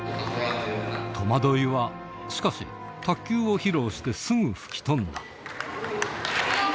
戸惑いは、しかし、卓球を披露してすぐ吹き飛んだ。